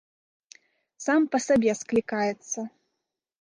Сам па сабе склікаецца.